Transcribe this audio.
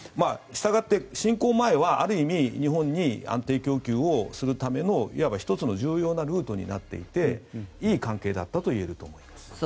したがって侵攻前はある意味日本に安定供給をするためのいわば１つの重要なルートになっていていい関係だったといえると思います。